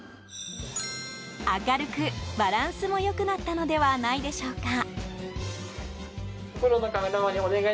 明るく、バランスも良くなったのではないでしょうか。